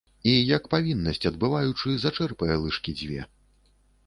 І, як павіннасць адбываючы, зачэрпае лыжкі дзве.